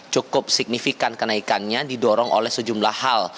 cukup signifikan kenaikannya didorong oleh sejumlah hal